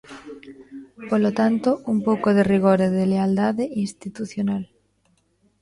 Polo tanto, un pouco de rigor e de lealdade institucional.